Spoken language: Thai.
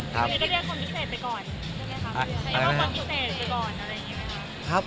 คุณพี่เรียกคนพิเศษไปก่อนใช่ไหมครับ